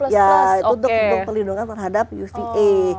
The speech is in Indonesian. ya itu untuk pelindungan terhadap uva